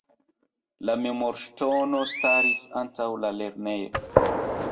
La memorŝtono staris antaŭ la lernejo.